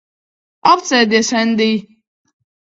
Apsēdies, Endij.